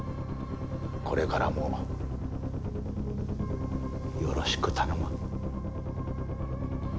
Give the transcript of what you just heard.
これからもよろしく頼む。